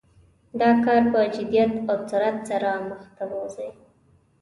دا کار په جدیت او سرعت سره مخ ته بوزي.